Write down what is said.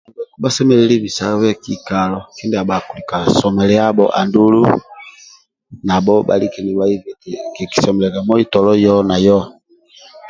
Bhakpa bhasemelelu bisabe kikalo kindia bhakilika somiiabho andulu bhaibe eti kikisomiliqga moisi tolo eyo ne eyoho